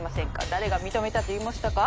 誰が認めたと言いましたか？